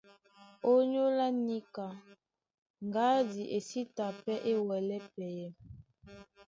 Ónyólá níka, ŋgádi e sí ta pɛ́ é wɛlɛ́ pɛyɛ.